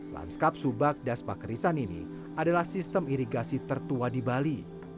lanskap subak daspa kerisan ini adalah sistem irigasi tertua di bali